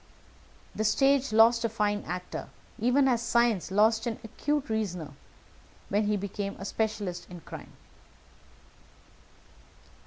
The stage lost a fine actor, even as science lost an acute reasoner, when he became a specialist in crime.